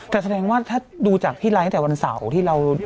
แต่แสดงว่าถ้าดูจากพี่ไลค์ตั้งแต่วันเสาร์ที่เรา